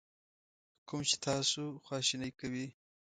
کوم چې تاسو خواشینی کوي.